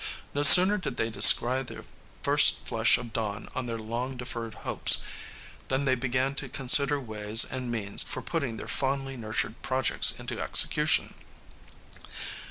No sooner did they descry the first flush of dawn on their long deferred hopes than they began to consider ways and means for putting their fondly nurtured projects into execution.